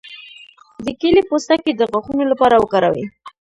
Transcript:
د کیلې پوستکی د غاښونو لپاره وکاروئ